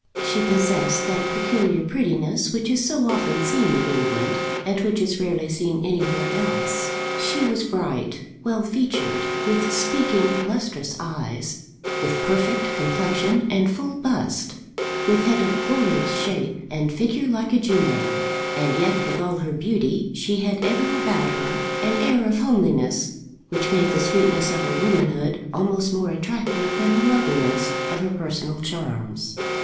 She possessed that peculiar prettiness which is so often seen in England, and which is rarely seen anywhere else. She was bright, well featured, with speaking lustrous eyes, with perfect complexion, and full bust, with head of glorious shape and figure like a Juno; and yet with all her beauty she had ever about her an air of homeliness which made the sweetness of her womanhood almost more attractive than the loveliness of her personal charms.